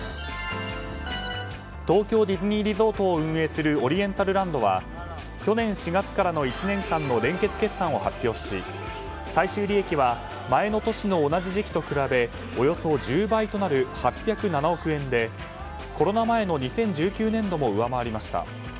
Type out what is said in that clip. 東京ディズニーリゾートを運営するオリエンタルランドは去年４月からの１年間の連結決算を発表し最終利益は前の年の同じ時期と比べおよそ１０倍となる８０７億円でコロナ前の２０１９年度も上回りました。